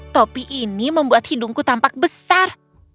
topi ini membuat hidungku tampak besar